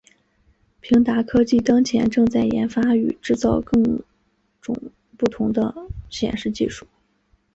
平达科技当前正在研发与制造更种不同的显示技术。